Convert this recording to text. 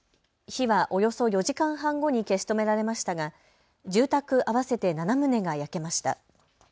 火はおよそ４時間半後に消し止められましたが住宅合わせて７棟が焼けました。